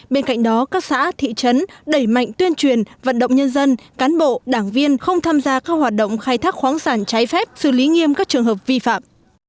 bên cạnh đó các xã thị trấn đẩy mạnh tuyên truyền vận động nhân dân cán bộ đảng viên không tham gia các hoạt động khai thác khoáng sản trái phép xử lý nghiêm các trường hợp vi phạm